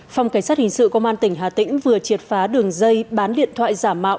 phòng cảnh sát hình sự công an tỉnh hà tĩnh vừa triệt phá đường dây bán điện thoại giả mạo